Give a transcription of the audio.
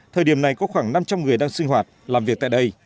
thời điểm này có khoảng năm trăm linh người đang sinh hoạt làm việc tại đây